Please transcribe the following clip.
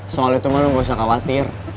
soal itu mah gak usah khawatir